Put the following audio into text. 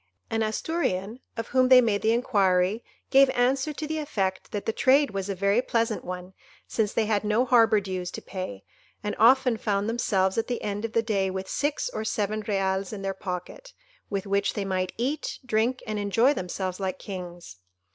An Asturian, of whom they made the inquiry, gave answer to the effect that the trade was a very pleasant one, since they had no harbour dues to pay, and often found themselves at the end of the day with six or seven reals in their pocket, with which they might eat, drink, and enjoy themselves like kings.